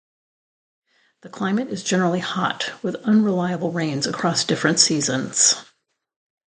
The climate is generally hot, with unreliable rains across different seasons.